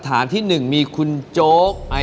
คุณแจ็คอเรียกคุณแจ็คนะครับ